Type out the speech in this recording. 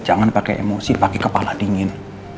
jangan pake emosi pake kepala dingin